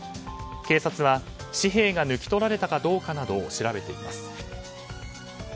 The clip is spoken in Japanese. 警察は紙幣が抜き取られたかどうかなどを調べています。